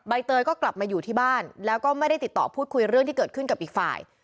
เตยก็กลับมาอยู่ที่บ้านแล้วก็ไม่ได้ติดต่อพูดคุยเรื่องที่เกิดขึ้นกับอีกฝ่าย